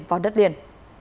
vào đất liền